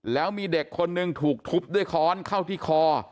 แล้วมีเด็กคนหนึ่งถูกทุบด้วยค้อนเข้าที่คอ